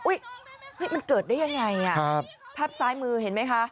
เฮ้ยมันเกิดได้ยังไงภาพซ้ายมือเห็นไหมคะ